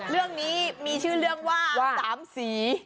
เรื่องนี้มีชื่อเรื่องว่า๓สี